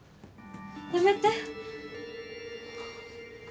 やめて